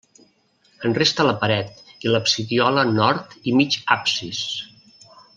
En resta la paret i l'absidiola nord i mig absis.